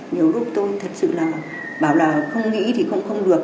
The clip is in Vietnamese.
nhiều lúc tôi thật sự là bảo là không nghĩ thì cũng không được